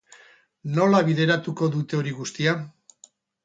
Nola bideratuko dute hori guztia?